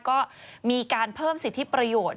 ก็มีการเพิ่มสิทธิประโยชน์